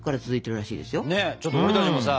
ちょっと俺たちもさ